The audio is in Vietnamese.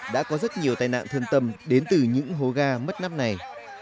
đã có rất nhiều tai nạn thương tâm đến từ những hố ga mất nắp này